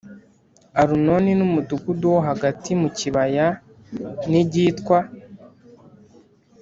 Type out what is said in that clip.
Arunoni n umudugudu wo hagati mu kibaya n igitwa